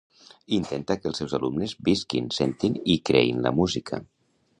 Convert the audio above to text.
Intenta que els seus alumnes visquin, sentin i creïn la música.